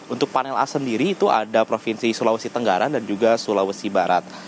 untuk panel a sendiri itu ada provinsi sulawesi tenggara dan juga sulawesi barat